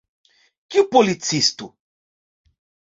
Kiu policisto?